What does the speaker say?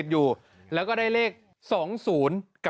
เฮ้ยเป๊ะเลยคุณค่ะ